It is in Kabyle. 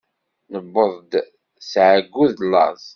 Newweḍ-d s ɛeyyu d laẓ.